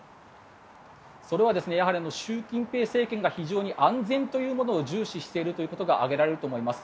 それは習近平政権が非常に安全というものを重視しているというのが挙げられると思います。